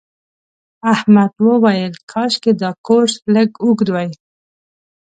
احمد وویل کاشکې دا کورس لږ اوږد وای.